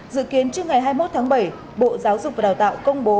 dự kiến trước ngày hai mươi một tháng bảy bộ giáo dục và đào tạo công bố